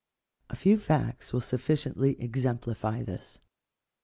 p A few facts will sufficiently exemplify this.